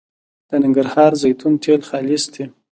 د ننګرهار د زیتون تېل خالص دي